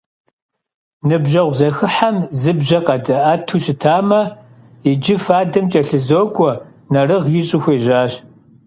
Ныбжьэгъу зэхыхьэм зы бжьэ къадиӏэту щытамэ, иджы фадэм кӏэлъызокӏуэ, нэрыгъ ищӏу хуежьащ.